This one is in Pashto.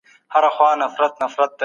په کندهار کي د صنعت د پراختیا لاري څه دي؟